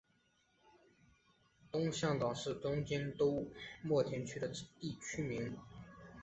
东向岛是东京都墨田区的地名。